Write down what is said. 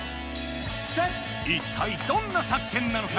一体どんな作戦なのか？